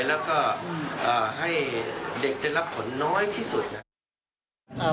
แล้วก็ให้เด็กได้รับผลน้อยที่สุดนะครับ